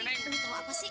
neng lo tau apa sih